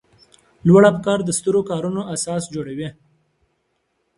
لوړ افکار د سترو کارونو اساس جوړوي.